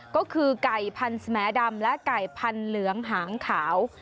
ก็คือไก่พันธแมดำและไก่พันธุ์เหลืองหางขาว